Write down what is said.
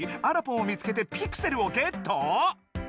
「あらぽん」を見つけてピクセルをゲット